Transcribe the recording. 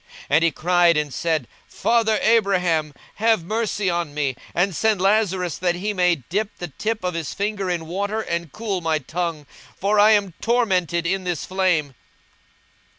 42:016:024 And he cried and said, Father Abraham, have mercy on me, and send Lazarus, that he may dip the tip of his finger in water, and cool my tongue; for I am tormented in this flame.